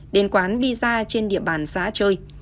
đến quán bia ra trên địa bàn xã chơi